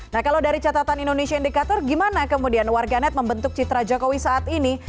nah kalau dari catatan indonesia indikator gimana kemudian warganet membentuk citra jokowi saat ini